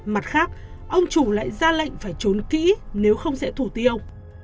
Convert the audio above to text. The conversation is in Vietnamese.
mặt khác ông chủ lại ra lệnh phải trốn kỹ nếu không sẽ thủ tiêu